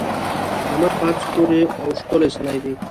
احمد په هر څه پوره او ښکلی سړی دی.